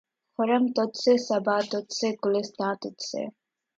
خرام تجھ سے‘ صبا تجھ سے‘ گلستاں تجھ سے